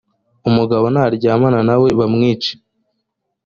umugabo naryamana na we bamwice